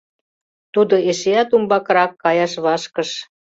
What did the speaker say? Тудо эшеат умбакырак каяш вашкыш.